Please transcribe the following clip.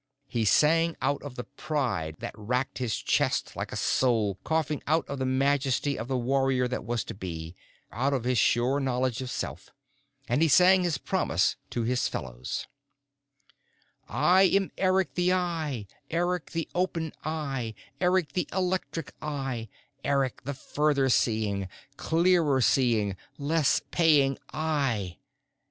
He sang out of the pride that racked his chest like a soul coughing, out of the majesty of the warrior that was to be, out of his sure knowledge of self. And he sang his promise to his fellows: I am Eric the Eye, Eric the Open Eye, Eric the Electric Eye, Eric the Further Seeing, Clearer Seeing, Less Paying Eye.